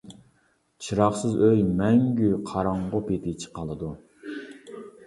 چىراغسىز ئۆي مەڭگۈ قاراڭغۇ پېتىچە قالىدۇ.